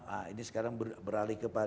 nah ini sekarang beralih ke badan pangan